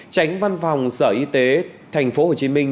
tránh văn phòng sở y tế thành phố hồ chí minh